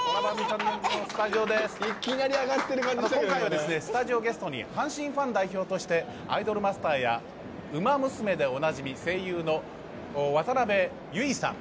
今回はですね、スタジオゲストに阪神ファン代表として「アイドルマスター」や「ウマ娘」でおなじみ、声優の渡部優衣さん。